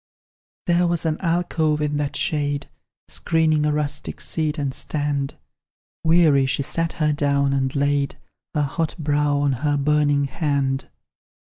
There was an alcove in that shade, Screening a rustic seat and stand; Weary she sat her down, and laid Her hot brow on her burning hand.